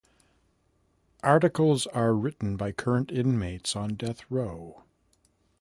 Articles are written by current inmates on death row.